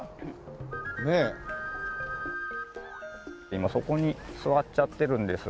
今そこに座っちゃってるんですが。